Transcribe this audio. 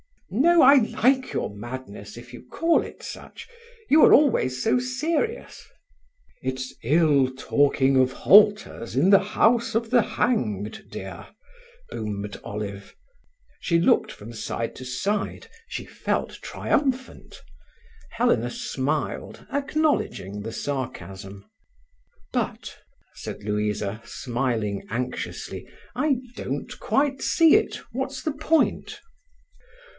No, I like your madness, if you call it such. You are always so serious." "'It's ill talking of halters in the house of the hanged,' dear," boomed Olive. She looked from side to side. She felt triumphant. Helena smiled, acknowledging the sarcasm. "But," said Louisa, smiling anxiously, "I don't quite see it. What's the point?"